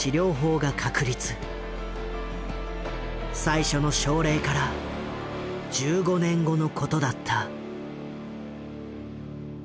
最初の症例から１５年後のことだった。